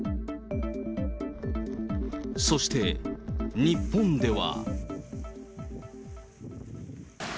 そして日本では。